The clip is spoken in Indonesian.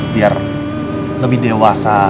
biar lebih dewasa